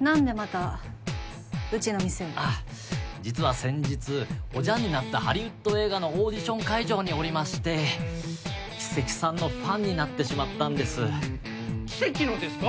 何でまたうちの店に実は先日おじゃんになったハリウッド映画のオーディション会場におりましてキセキさんのファンになってしまったんですキセキのですか？